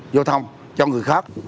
giao thông cho người khác